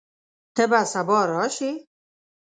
ته به سبا راشې؟